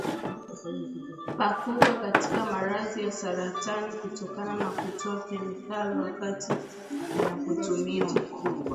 pakubwa katika maradhi ya saratani kutokana na kutoa kemikali wakati yanapotumiwa